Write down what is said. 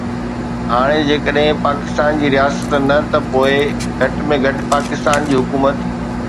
هاڻ جيڪڏهن پاڪستان جي رياست نه ته پوءِ گهٽ ۾ گهٽ پاڪستان جي حڪومت